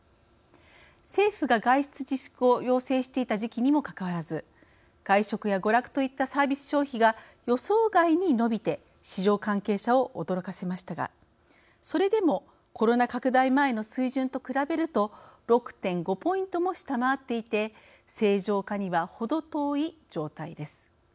政府が外出自粛を要請していた時期にもかかかわらず外食や娯楽といったサービス消費が予想外に伸びて市場関係者を驚かせましたがそれでもコロナ拡大前の水準と比べると６．５ポイントも下回っていて正常化には、ほど遠い状態です。